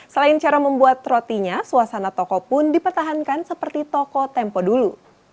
selain cara membuat rotinya suasana toko pun dipertahankan seperti toko tempo dulu